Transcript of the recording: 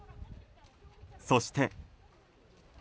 そして。